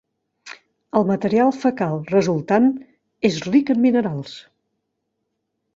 El material fecal resultant és ric en minerals.